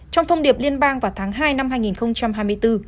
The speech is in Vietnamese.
trong thông điệp liên bang vào tháng hai năm hai nghìn hai mươi bốn